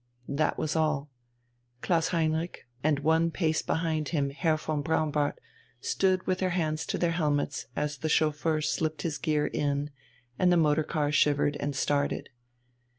That was all. Klaus Heinrich, and one pace behind him Herr von Braunbart, stood with their hands to their helmets as the chauffeur slipped his gear in and the motor car shivered and started.